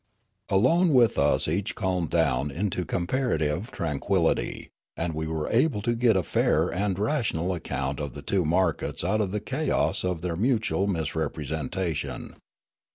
" Alone with us each calmed down into compara tive tranquillity, and we were able to get a fair and rational account of the two markets out of the chaos of their mutual misrepresentation.